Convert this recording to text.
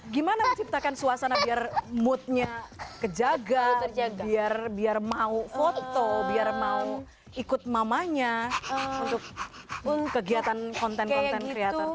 gimana menciptakan suasana biar moodnya kejaga biar mau foto biar mau ikut mamanya untuk kegiatan konten konten kreator